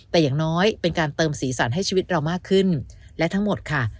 แต่อย่างน้อยเป็นการเติมสีสันให้ชีวิตเรามากขึ้นและทั้งหมดค่ะ